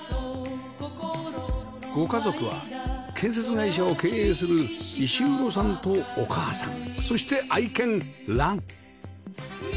ご家族は建設会社を経営する石黒さんとお母さんそして愛犬ラン